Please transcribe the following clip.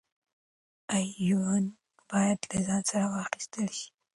ایوانان باید له ځان سره واخیستل شي.